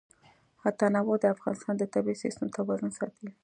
تنوع د افغانستان د طبعي سیسټم توازن ساتي.